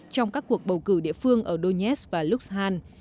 trong các cuộc bầu cử địa phương ở donetsk và luxhansk